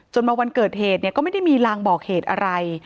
จนมาวันเกิดเห็นก็ไม่มีลางบอกเห็นอะไร